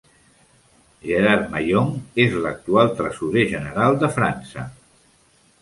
Gerard Myon és l'actual Tresorer General, de França.